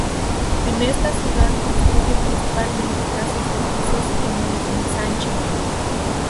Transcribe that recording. En esta ciudad construye principalmente casas de pisos en el Ensanche.